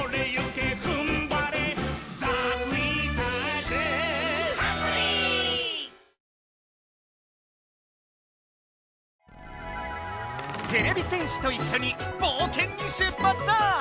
てれび戦士といっしょにぼうけんに出発だ！